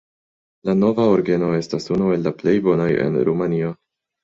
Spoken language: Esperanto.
La nova orgeno estas unu el la plej bonaj en Rumanio.